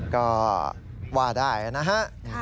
ก็ว่าได้นะฮะ